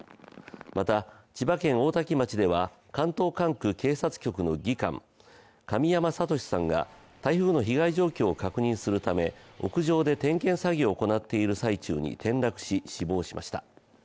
また千葉県大多喜町では関東管区警察局の技官、神山智志さんが台風の被害状況を確認するため、屋上で点検作業を行っている最中に転落し死亡しました。